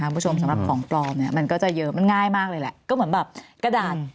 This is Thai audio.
คุณผู้ชมสำหรับของปลอมเนี่ยมันก็จะเยอะมันง่ายมากเลยแหละก็เหมือนแบบกระดาษ